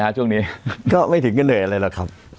ช่วงนี้ก็ไม่ถึงก็เหนื่อยเลยครับ